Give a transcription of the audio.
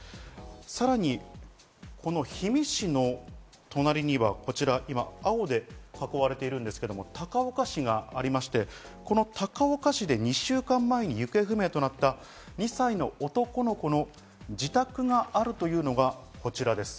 さらに氷見市の隣には今、青で囲われているんですけど高岡市がありまして、この高岡市で２週間前に行方不明となった２歳の男の子の自宅があるというのがこちらです。